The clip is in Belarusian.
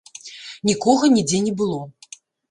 Нікога нідзе не было.